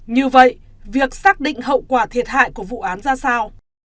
như vậy việc xác định hậu quả thiệt hại của vụ án ra sao